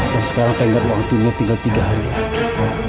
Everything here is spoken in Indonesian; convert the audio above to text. dan sekarang tinggal waktunya tinggal tiga hari lagi